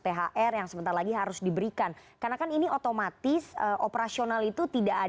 bagaimana meredith apakah untuk rencana dalam pembangunan pendidikan